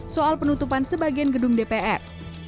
soal penutupan sebagian gedung dpr